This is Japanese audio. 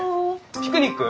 ピクニック？